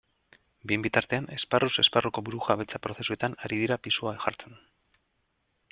Bien bitartean, esparruz esparruko burujabetza prozesuetan ari dira pisua jartzen.